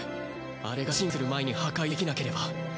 あれが進化する前に破壊できなければ。